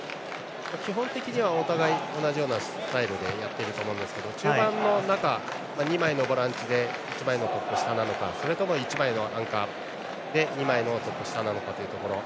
基本的にはお互い同じようなスタイルでやっていると思うんですけど中盤の中の２枚のボランチで１枚のトップ下なのかそれとも１枚のアンカーで２枚のトップ下なのか。